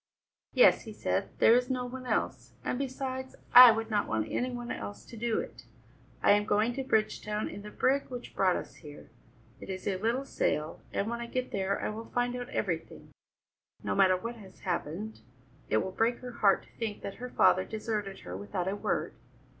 "Yes," he said, "there is no one else. And besides I would not want any one else to do it. I am going to Bridgetown in the brig which brought us here; it is a little sail, and when I get there I will find out everything. No matter what has happened, it will break her heart to think that her father deserted her without a word.